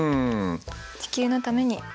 地球のために。